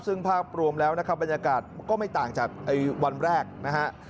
ซึ่งภาพรวมแล้วนะครับบรรยากาศก็ไม่ต่างจากวันแรกนะฮะ